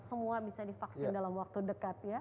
semua bisa divaksin dalam waktu dekat ya